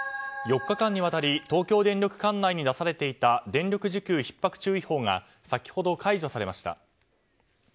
４日間にわたり東京電力管内に出されていた電力需給ひっ迫注意報が先ほど解除されました。